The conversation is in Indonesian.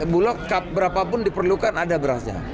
bulog berapapun diperlukan ada berasnya